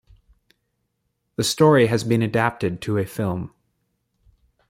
The story has been adapted to a film.